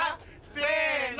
せの。